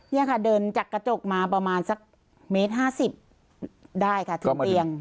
นี่ค่ะเดินจากกระจกมาประมาณสักเมตร๕๐ได้ค่ะถึงเตียง